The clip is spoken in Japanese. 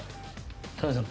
田辺さん